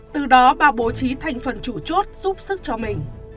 từ đó bà bố trí thành phần chủ chốt giúp sức cho mình